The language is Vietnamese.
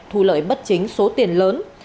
thu lợi bất chính số tiền lớn